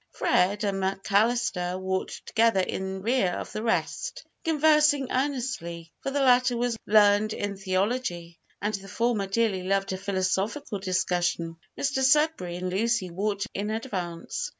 Fred and McAllister walked together in rear of the rest, conversing earnestly, for the latter was learned in theology, and the former dearly loved a philosophical discussion. Mr Sudberry and Lucy walked in advance.